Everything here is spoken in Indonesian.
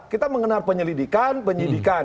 kita mengenal penyelidikan penyidikan